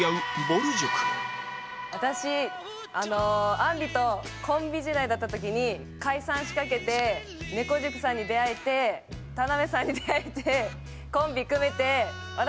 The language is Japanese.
私あんりとコンビ時代だった時に解散しかけて猫塾さんに出会えて田辺さんに出会えてコンビ組めて私